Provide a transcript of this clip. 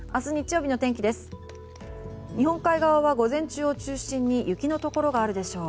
日本海側は午前中を中心に雪のところがあるでしょう。